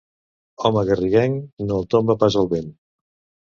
Home garriguenc no el tomba pas el vent.